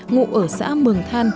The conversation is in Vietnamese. ngụ ở xã mường than